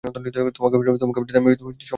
তোমাকে বাঁচাতে আমি সম্পূর্ণ ঝুঁকি নিয়েছি।